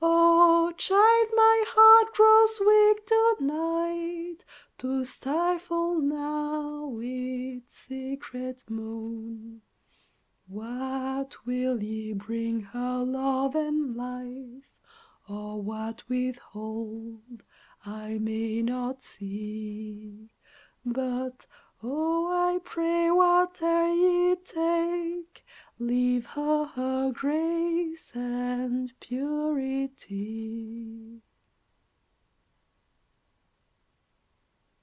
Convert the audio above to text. O child! my heart grows weak, to night, To stifle now its secret moan! What will ye bring her, Love and Life? Or what withhold? I may not see; But, oh, I pray, whate'er ye take, Leave her her grace and purity.